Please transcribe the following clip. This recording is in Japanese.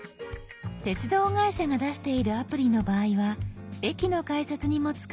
鉄道会社が出しているアプリの場合は駅の改札にも使えます。